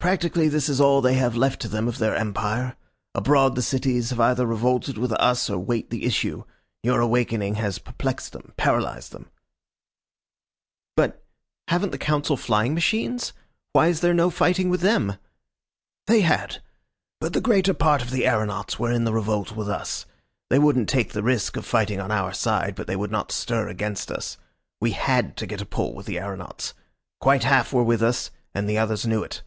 "Practically this is all they have left to them of their empire. Abroad the cities have either revolted with us or wait the issue. Your awakening has perplexed them, paralysed them." "But haven't the Council flying machines? Why is there no fighting with them?" "They had. But the greater part of the aeronauts were in the revolt with us. They wouldn't take the risk of fighting on our side, but they would not stir against us. We had to get a pull with the aeronauts. Quite half were with us, and the others knew it.